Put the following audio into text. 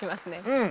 うん。